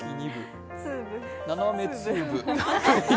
斜めツーブ。